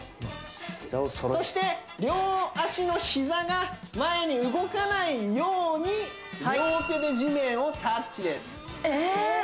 そして両足の膝が前に動かないように両手で地面をタッチです